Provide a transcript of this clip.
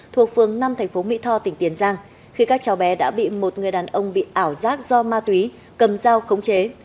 thuộc phường năm thành phố mỹ tho tỉnh tiền giang khi các cháu bé đã bị một người đàn ông bị ảo giác do ma túy cầm dao khống chế